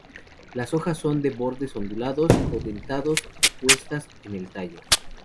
Las hojas son de bordes ondulados o dentados, opuestas en el tallo.